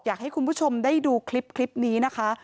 อยากให้คุณผู้ชมได้ดูคลิปนี้นะคะ